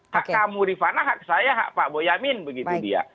hak kamu rifana hak saya hak pak boyamin begitu dia